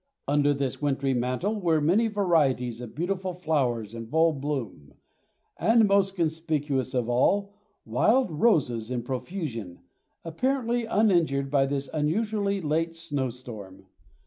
Under this wintry mantle were many varieties of beautiful flowers in full bloom, and, most conspicuous of all, wild roses in profusion, apparently uninjured by this unusually late snow storm.